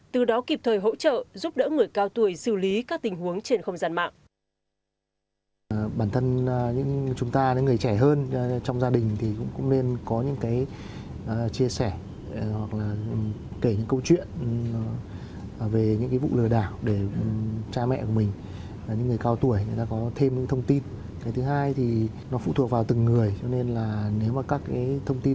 từ đó kịp thời hỗ trợ giúp đỡ người cao tuổi xử lý các tình huống trên không gian mạng